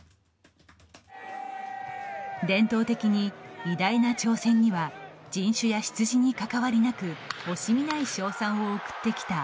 伝統的に偉大な挑戦には人種や出自に関わりなく惜しみない称賛を送ってきたアメリカ。